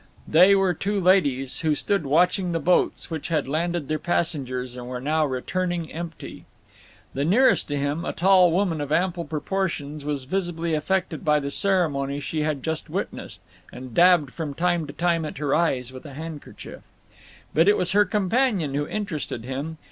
They were two ladies, who stood watching the boats, which had landed their passengers and were now returning empty. The nearest to him, a tall woman of ample proportions, was visibly affected by the ceremony she had just witnessed, and dabbed from time to time at her eyes with a handkerchief. But it was her companion who interested him.